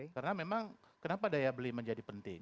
karena memang kenapa daya beli menjadi penting